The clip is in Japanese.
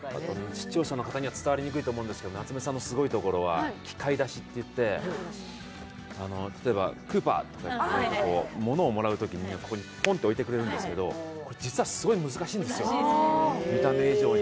視聴者の方には伝わりにくいと思うんですけど、夏梅さんのすごいところは機械出しって言って例えばクーパーとか物をもらうときに、ここにポンと置いてくれるんですけど、実はすごい難しいんですよ、見た目以上に。